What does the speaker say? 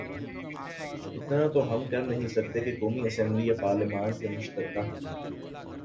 اتنا تو ہم کرنہیں سکتے کہ قومی اسمبلی یا پارلیمان کے مشترکہ